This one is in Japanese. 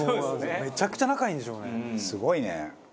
めちゃくちゃ仲いいんでしょうね。